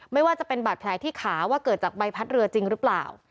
ไม่ว่าจะเป็นบาดแผลที่ขาว่าเกิดจากใบพัดเรือจริงหรือเปล่า